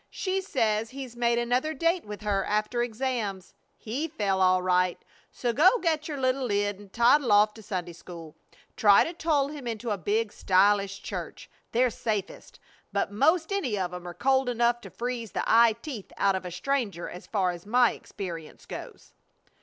She says he's made another date with her after exams. He fell, all right, so go get your little lid and toddle off to Sunday school. Try to toll him into a big, stylish church. They're safest; but 'most any of 'em are cold enough to freeze the eye teeth out of a stranger as far as my experience goes."